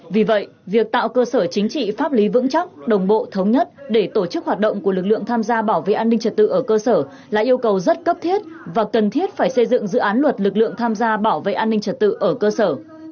vì vậy việc tạo cơ sở chính trị pháp lý vững chắc đồng bộ thống nhất để tổ chức hoạt động của lực lượng tham gia bảo vệ an ninh trật tự ở cơ sở là yêu cầu rất cấp thiết và cần thiết phải xây dựng dự án luật lực lượng tham gia bảo vệ an ninh trật tự ở cơ sở